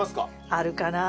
あるかな？